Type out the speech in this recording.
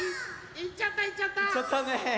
いっちゃったね。